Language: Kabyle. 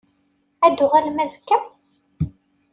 Ad d-tuɣalem azekka?